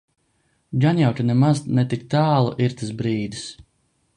Gan jau, ka nemaz ne tik tālu ir tas brīdis.